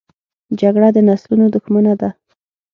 جګړه د نسلونو دښمنه ده